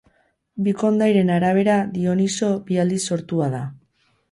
Bi kondairen arabera Dioniso bi aldiz sortua da.